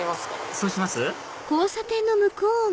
そうします？